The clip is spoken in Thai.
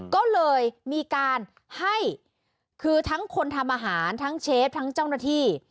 ก็เลยมีการให้คือทั้งคนทำอาหารทั้งเชฟทั้งเจ้าหน้าที่